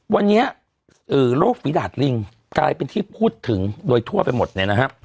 วันนี้โรคฝีดาดลิงกลายเป็นที่พูดถึงโดยทั่วไปหมดเนี่ยนะครับ